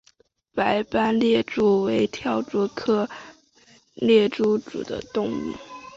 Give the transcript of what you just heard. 白斑猎蛛为跳蛛科猎蛛属的动物。